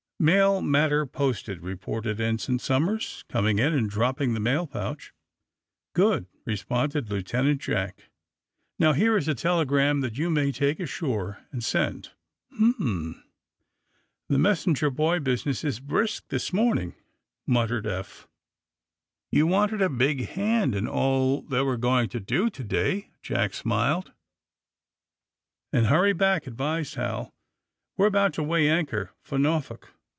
"Mail matter posted," reported Ensign Som ers, coming in and dropping the mail pouch. "Good," responded Lieutenant Jack. "Now, here is a telegram that you may take ashore and send. ''' "Ilm! The messenger boy business is brisk this morning," muttered Eph. "You wanted a big hand in all that we^re going to do to day, '' Jack smiled. '' And hurry back, '' advised Ha"? .'' We 're about to weigh anchor for Norfolk."